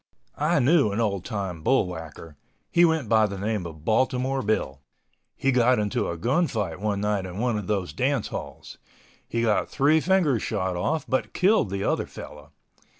I knew an old time bull whacker. He went by the name of Baltimore Bill. He got into a gun fight one night in one of those dance halls. He got three fingers shot off, but killed the other fellow.